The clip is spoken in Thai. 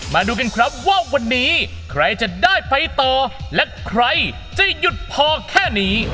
มาดูกันครับว่าวันนี้ใครจะได้ไปต่อและใครจะหยุดพอแค่นี้